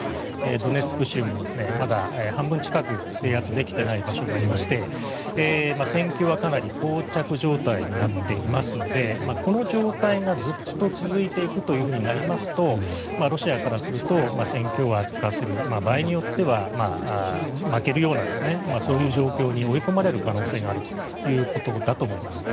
ドネツク州もまだ半分近く制圧できていない場所があって戦況はかなり膠着状態になっていますのでこの状態がずっと続いていくことになりますとロシアからすると戦況が悪化する場合によっては負けるようなそういう状況に追い込まれる可能性があるということだと思います。